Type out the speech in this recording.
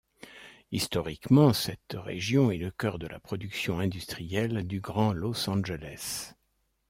Historiquement, cette région est le cœur de la production industrielle du Grand Los Angeles.